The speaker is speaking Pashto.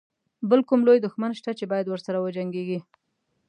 بل کوم لوی دښمن شته چې باید ورسره وجنګيږي.